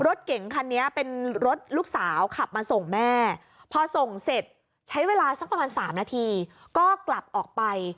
รถเก๋งคันนี้เป็นรถลูกสาวขับมาส่งแม่พอส่งเสร็จใช้เวลาสักประมาณ๓นาทีก็กลับออกไป